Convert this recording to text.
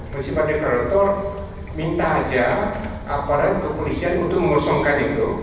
mencipta depredator minta aja aparat kepolisian untuk mengosongkan itu